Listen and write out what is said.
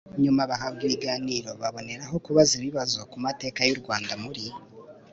nyuma bahabwa ibiganiro baboneraho kubaza ibibazo ku mateka y u Rwanda muri